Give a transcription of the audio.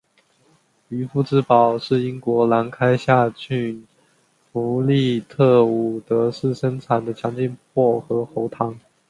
渔夫之宝是英国兰开夏郡弗利特伍德市生产的强劲薄荷喉糖。